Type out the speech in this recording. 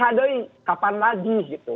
jadi kira kira kapan lagi gitu